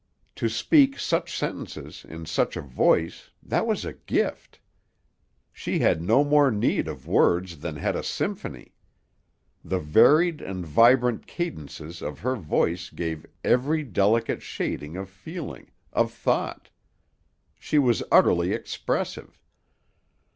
To speak such sentences in such a voice that was a gift. She had no more need of words than had a symphony. The varied and vibrant cadences of her voice gave every delicate shading of feeling, of thought. She was utterly expressive.